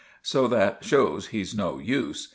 So that shows he's no use.